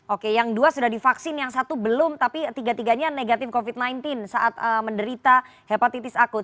oke yang dua sudah divaksin yang satu belum tapi tiga tiganya negatif covid sembilan belas saat menderita hepatitis akut